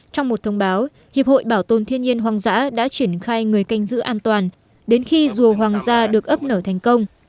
trong một thông báo hiệp hội bảo tồn thiên nhiên hoang dã đã triển khai người canh giữ an toàn đến khi rùa hoàng gia được ấp nở thành công